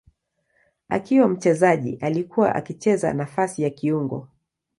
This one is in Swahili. Akiwa mchezaji alikuwa akicheza nafasi ya kiungo.